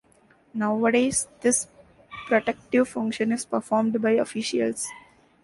Nowadays, this "protective" function is performed by officials.